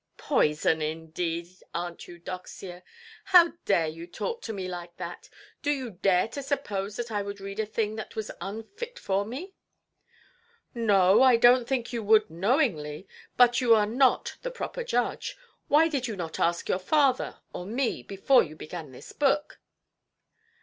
"Poison indeed, Aunt Eudoxia! How dare you talk to me like that? Do you dare to suppose that I would read a thing that was unfit for me"? "No, I donʼt think you would, knowingly. But you are not the proper judge. Why did you not ask your father or me, before you began this book"?